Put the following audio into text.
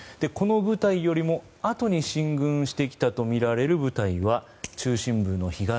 この部隊よりもあとに進軍してきたとみられる部隊は中心部の東